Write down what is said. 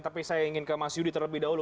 tapi saya ingin ke mas yudi terlebih dahulu